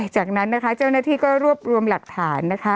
จากนั้นเจ้าหน้าที่ก็รวบรวมหลักฐาน